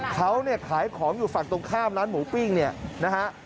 เขาขายของอยู่ฝั่งตรงข้ามร้านหมูปิ้งนะฮะ